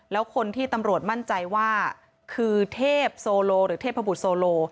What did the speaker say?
แล้วคนที่ตำรวจมั่นใจว่าคือเทพโซโลหรือเทพบุตรโซโล